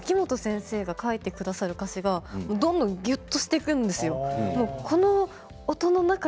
秋元先生が書いてくださる歌詞がどんどんぎゅっとしていくんですよ。